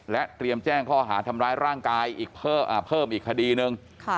เตรียมแจ้งข้อหาทำร้ายร่างกายอีกเพิ่มอีกคดีนึง